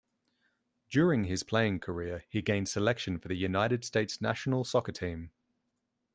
During his playing career he gained selection for the United States national soccer team.